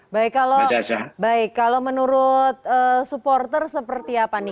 baik kalau menurut supporter seperti apa nih